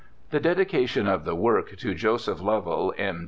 The dedication of the work to Joseph Lovell, M.